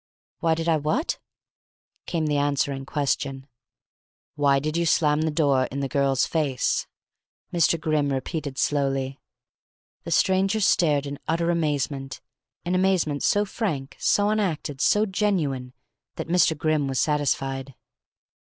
"Why did I what?" came the answering question. "Why did you slam the door in the girl's face?" Mr. Grimm repeated slowly. The stranger stared in utter amazement an amazement so frank, so unacted, so genuine, that Mr. Grimm was satisfied.